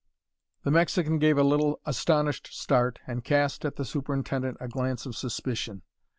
The Mexican gave a little astonished start and cast at the superintendent a glance of suspicion.